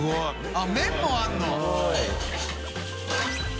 あっ麺もあるの？